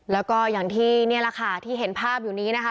แล้วก็อย่างที่นี่แหละค่ะที่เห็นภาพอยู่นี้นะคะ